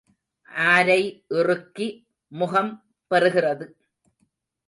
ஆரை இறுக்கி முகம் பெறுகிறது?